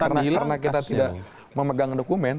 karena kita tidak memegang dokumen